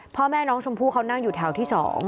พ่อแม่น้องชมพู่เขานั่งอยู่แถวที่๒